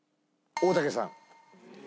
大竹さん。